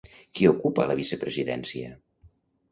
Qui ocupa la vicepresidència?